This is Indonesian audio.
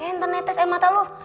eh ntar netes air mata lu